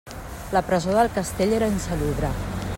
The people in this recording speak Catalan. La presó del castell era insalubre.